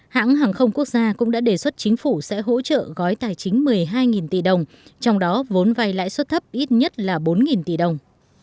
hãng hàng không quốc gia cũng đã đề xuất chính phủ sẽ hỗ trợ gói tài chính một mươi hai tỷ đồng trong đó vốn vay lãi suất thấp ít nhất là bốn tỷ đồng